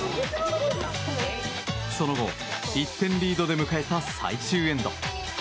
その後、１点リードで迎えた最終エンド。